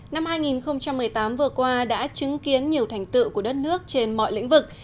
năm hai nghìn một mươi tám vừa qua đã chứng kiến nhiều thành tựu của đất nước trên mọi lĩnh vực